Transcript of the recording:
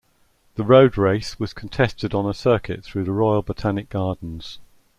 The road race was contested on a circuit through the Royal Botanic Gardens.